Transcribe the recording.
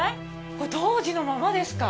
これ、当時のままですか。